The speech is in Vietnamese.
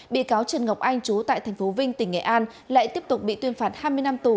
bị cáo trần ngọc anh chú tại tp vinh tỉnh nghệ an lại tiếp tục bị tuyên phạt hai mươi năm tù